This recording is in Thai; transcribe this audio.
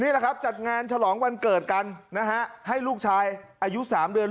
นี่แหละครับจัดงานฉลองวันเกิดกันนะฮะให้ลูกชายอายุ๓เดือน